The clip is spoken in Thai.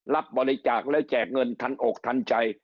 รับบริจาคแล้วแจกเงินทันอกทันใจ